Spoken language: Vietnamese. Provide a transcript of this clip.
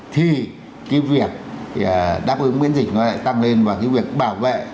thì cái việc đáp ứng miễn dịch nó lại tăng lên và cái việc bảo vệ